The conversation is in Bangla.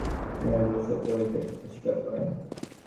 মন ঐগুলির সহিত যুক্ত হইতে অস্বীকার করে।